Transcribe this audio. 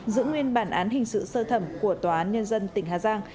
giữ nguyên bản án hình sự sơ thẩm của tòa án nhân dân tỉnh hà giang